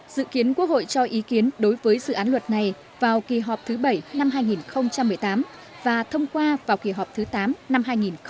dự kiến quốc hội cho ý kiến đối với dự án luật này vào kỳ họp thứ bảy năm hai nghìn một mươi tám và thông qua vào kỳ họp thứ tám năm hai nghìn một mươi chín